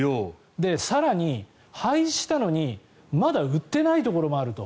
更に、廃止したのにまだ売っていないところもあると。